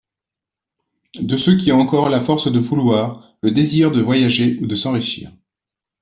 De ceux qui ont encore la force de vouloir, le désir de voyager ou de s’enrichir .